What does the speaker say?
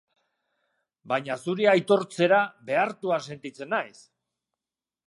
Baina zuri aitortzera behartua sentitzen naiz!